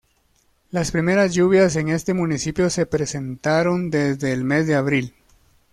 Las primeras lluvias en este municipio se presentaron desde el mes de abril.